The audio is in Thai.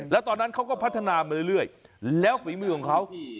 แล้วตอนนั้นเขาก็พัฒนามาเรื่อยแล้วฝีมือของเขา